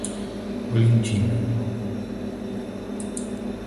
Olindina